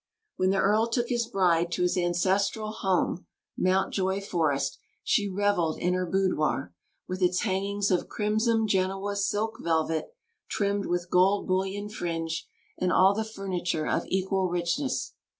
When the Earl took his bride to his ancestral home, Mountjoy Forest, she revelled in her boudoir, with its hangings of "crimson Genoa silk velvet, trimmed with gold bullion fringe; and all the furniture of equal richness."